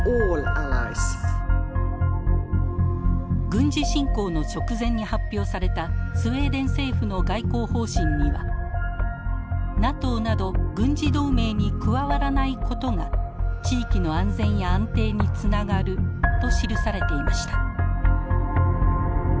軍事侵攻の直前に発表されたスウェーデン政府の外交方針には「ＮＡＴＯなど軍事同盟に加わらないことが地域の安全や安定につながる」と記されていました。